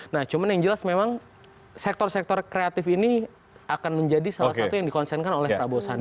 nah cuman yang jelas memang sektor sektor kreatif ini akan menjadi salah satu yang dikonsenkan oleh prabowo sandi